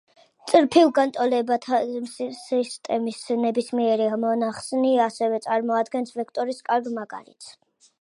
წრფივ განტოლებათა სისტემის ნებისმიერი ამონახსნი ასევე წარმოადგენს ვექტორის კარგ მაგალითს.